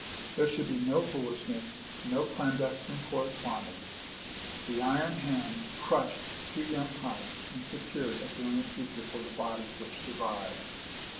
There should be no foolishness, no clandestine correspondence. The iron hand crushed two young hearts, and secured a brilliant future for the bodies which survived.